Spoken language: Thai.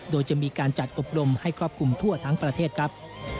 โดยจะมีการจัดอบรมให้ครอบคลุมทั่วทั้งประเทศครับ